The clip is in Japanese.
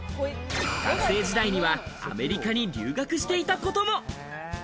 学生時代にはアメリカに留学していたことも。